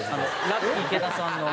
ラッキィ池田さんの。